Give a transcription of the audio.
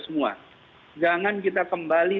semua jangan kita kembali